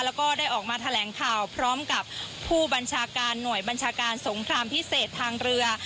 แล้วก็ได้ออกมาแถลงข่าวพร้อมกับผู้บัญชาการหน่วยบัญชาการสงครามพิเศษทางเรือ